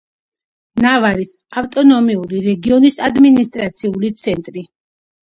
ნავარის ავტონომიური რეგიონის ადმინისტრაციული ცენტრი.